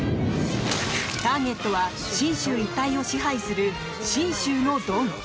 ターゲットは信州一帯を支配する信州のドン。